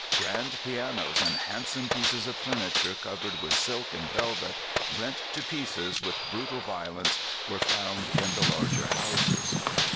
Grand pianos and handsome pieces of furniture covered with silk and velvet, rent to pieces with brutal violence, were found in the larger houses.